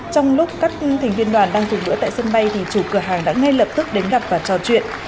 trong lúc các thành viên đoàn đang dùng bữa tại sân bay thì chủ cửa hàng đã ngay lập tức đến gặp và trò chuyện